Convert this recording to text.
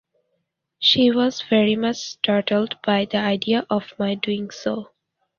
She was very much startled by the idea of my doing so.